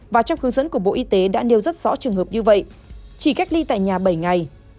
và trong hướng dẫn của bộ y tế đã nêu rất rõ trường hợp như vậy chỉ cách ly tại nhà bảy ngày